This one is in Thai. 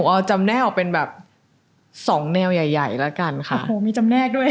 โอ้โหมีจำแน่ออกด้วย